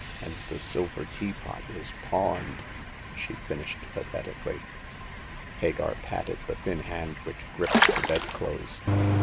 And the silver teapot is pawned," she finished pathetically. Hagar patted the thin hand which gripped the bedclothes.